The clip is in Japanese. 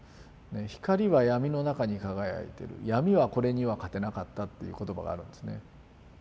「光はやみの中に輝いてるやみはこれには勝てなかった」っていう言葉があるんですね。